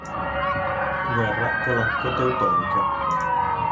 Guerra polacco-teutonica